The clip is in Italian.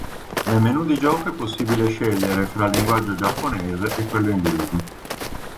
Nel menù di gioco è possibile scegliere fra il linguaggio giapponese e quello inglese.